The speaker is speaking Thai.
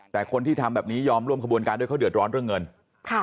แต่คนที่ทำแบบนี้ยอมร่วมขบวนการด้วยเขาเดือดร้อนเรื่องเงินค่ะ